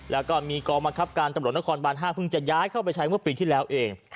แล้วก็มีกองบังคับการตำรวจนครบาน๕เพิ่งจะย้ายเข้าไปใช้เมื่อปีที่แล้วเอง